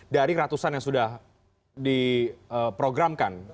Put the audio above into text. dari ratusan yang sudah diprogramkan